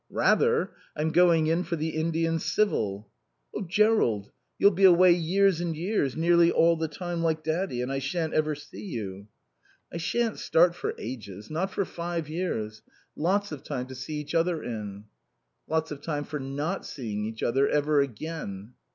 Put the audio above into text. "Rather. I'm going in for the Indian Civil." "Oh Jerrold you'll be away years and years, nearly all the time, like Daddy, and I shan't ever see you." "I shan't start for ages. Not for five years. Lots of time to see each other in." "Lots of time for not seeing each other ever again."